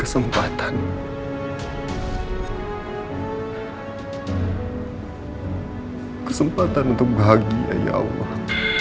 sembuhkanlah andin ya allah